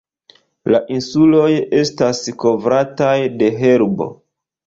La insuloj estas kovrataj de herbo.